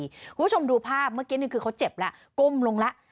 คุณผู้ชมดูภาพเมื่อกี้นี่คือเขาเจ็บแล้วก้มลงแล้ว